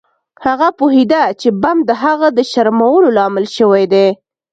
هغه پوهیده چې بم د هغه د شرمولو لامل شوی دی